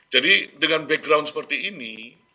jadi dengan background seperti ini